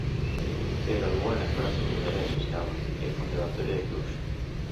Se graduó en la escuela secundaria de Suceava, y el Conservatorio de Cluj.